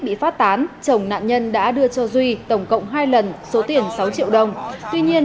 bị phát tán chồng nạn nhân đã đưa cho duy tổng cộng hai lần số tiền sáu triệu đồng tuy nhiên